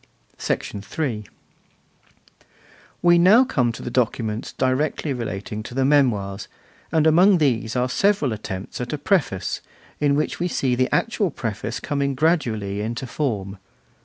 III. We come now to the documents directly relating to the Memoirs, and among these are several attempts at a preface, in which we see the actual preface coming gradually into form.